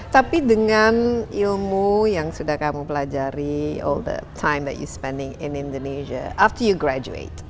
tapi dengan ilmu yang sudah kamu pelajari all the time that you spending in indonesia after you graduate